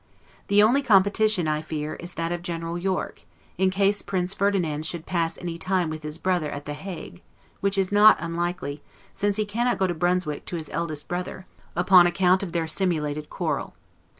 The only competition I fear, is that of General Yorke, in case Prince Ferdinand should pass any time with his brother at The Hague, which is not unlikely, since he cannot go to Brunswick to his eldest brother, upon account of their simulated quarrel.